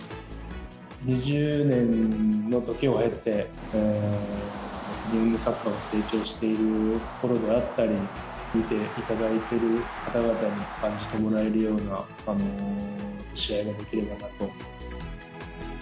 ２０年の時を経て、日本のサッカーが成長しているところであったり、見ていただいている方々に感じてもらえるような試合ができればなと。